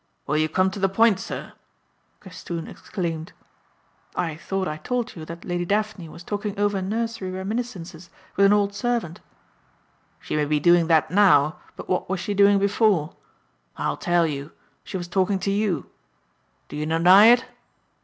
"Will you come to the point, sir?" Castoon exclaimed. "I thought I told you that Lady Daphne was talking over nursery reminisences with an old servant." "She may be doing that now, but what was she doing before? I'll tell you; she was talking to you. Do you deny it?"